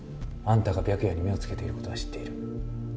あんたが白夜に目をつけていることは知っている。